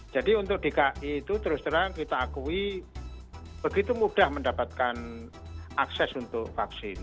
jadi untuk dki itu terus terang kita akui begitu mudah mendapatkan akses untuk vaksin